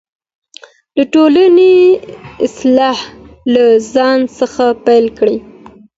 د ټولني اصلاح له ځان څخه پیل کړئ.